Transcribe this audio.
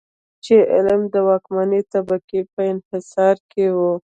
چې علم د واکمنې طبقې په انحصار کې و.